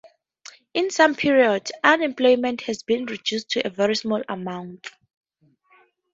In some periods, unemployment had been reduced to a very small amount.